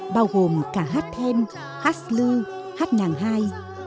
bao gồm cả hát thêm hát lưu hát nhàng hai